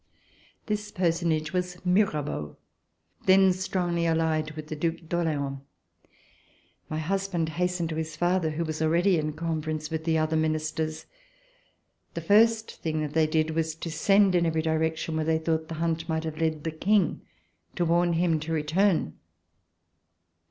This personage was Mirabeau, then strongly allied with the Due d'Orleans. My husband hastened to his father, who was already in conference with the other Ministers. The first thing that they did was to send in every direction where they thought the hunt might have led the King, to warn him to return.